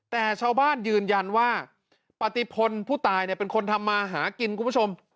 แต่ชาวบ้านยืนยันว่าปฏิพลผู้ตายเป็นคนทำมาหากินคุณผู้ชม